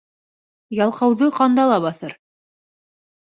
Ялҡауҙы ҡандала баҫыр.